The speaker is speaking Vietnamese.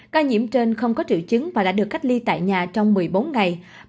ca nhiễm trên không có triệu chứng và đã được cách ly tại nhà trong một mươi bốn ngày